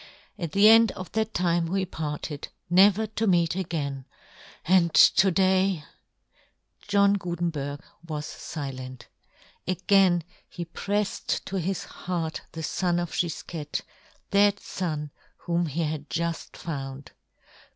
At " the end of that time we parted ..." never to meet again ." and to day ...." John Gutenberg was filent. Again he prelfed to his heart the fon of Gifquette, that fon whom he had juft found.